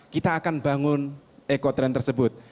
kita akan bangun eko trend tersebut